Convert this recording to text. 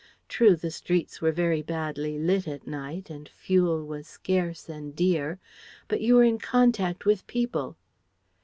True, the streets were very badly lit at night and fuel was scarce and dear. But you were in contact with people.